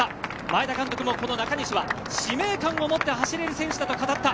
前田監督も、この中西は使命感を持って走れる選手だと語った。